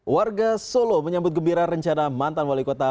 warga solo menyambut gembira rencana mantan wali kota